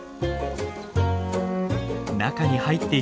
中に入っていきます。